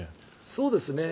そうですね。